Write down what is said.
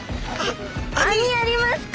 あみありますか？